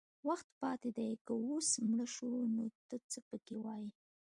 وخت پاتې دی که اوس مړه شو نو ته څه پکې وایې